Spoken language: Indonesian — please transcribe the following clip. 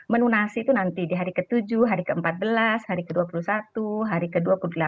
menunasi itu nanti di hari ke tujuh hari ke empat belas hari ke dua puluh satu hari ke dua puluh delapan